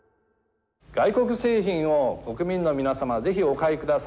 外国製品を国民の皆様ぜひお買いください。